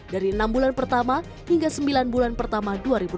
dari enam bulan pertama hingga sembilan bulan pertama dua ribu dua puluh